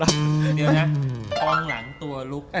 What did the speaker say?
เดี๋ยวนะตอนหลังตัวลุก